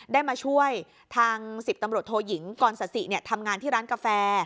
ได้มาช่วยทาง๑๐ตโทหญกรสศเนี่ยทำงานที่ร้านกาแฟ